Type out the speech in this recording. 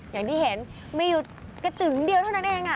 อย่างที่เห็นมีอยู่กระตึงเดียวเท่านั้นเอง